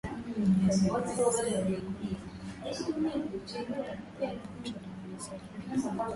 kwa zaidi ya asilimia kumi na Mmoja kwa bidhaa ya petroli na dizeli na